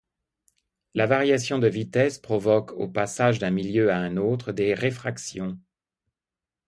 La variation de vitesse provoque, au passage d'un milieu à un autre, des réfractions.